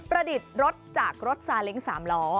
ประดิษฐ์รถจากรถซาเล็งสามล้อ